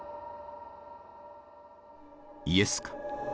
イエスか？